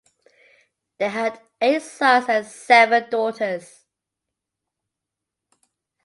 They had eight sons and seven daughters.